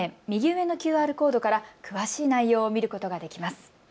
右上のＱＲコードから詳しい内容を見ることができます。